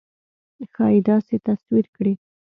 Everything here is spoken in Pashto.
ښایي داسې تصویر کړي.